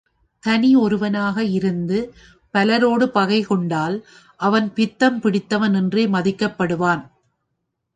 தனி ஒருவனாக இருந்து பலரோடு பகைகொண்டால் அவன் பித்தம் பிடித்தவன் என்றே மதிக்கப்படுவான்.